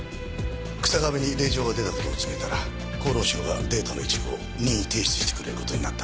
日下部に令状が出た事を告げたら厚労省がデータの一部を任意提出してくれる事になった。